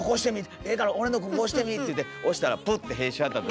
ええから俺のここ押してみ」って言うて押したらプッて屁しはった時。